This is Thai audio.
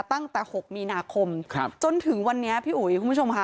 ตั้งแต่๖มีนาคมจนถึงวันนี้พี่อุ๋ยคุณผู้ชมค่ะ